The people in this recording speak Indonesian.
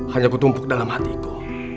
hanya kutumpuk dalam hatiku